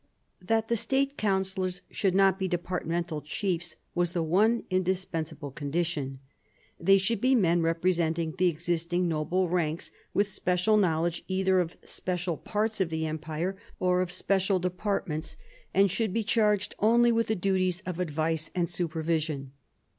That the State Councillors should not be departmental chiefs, was the one indispensable condition. They should be men representing the existing noble ranks, with special knowledge either of special parts of the empire or of special departments, and should be charged 192 MARIA THERESA chap, ix only with the duties of advice and supervision.